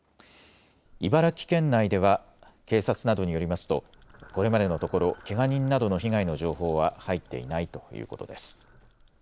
茨城県内では警察などによりますとこれまでのところ、けが人などの被害の情報は入っていないということです。